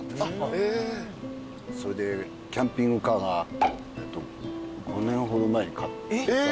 それでキャンピングカーが５年ほど前に買ってさ。